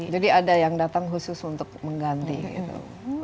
jadi ada yang datang khusus untuk mengganti gitu